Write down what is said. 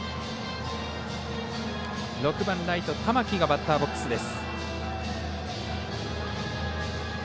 ６番ライト玉木がバッターボックスです。